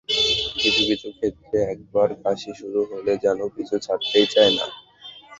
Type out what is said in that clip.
কিছু কিছু ক্ষেত্রে একবার কাশি শুরু হলে যেন পিছু ছাড়তেই চায় না।